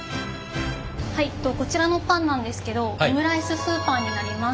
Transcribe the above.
こちらのパンなんですけどオムライス風パンになります。